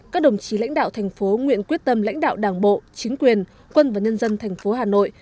các đồng chí lãnh đạo thành phố nguyện quyết tâm lãnh đạo đảng bộ chính quyền quân và nhân dân thành phố hà nội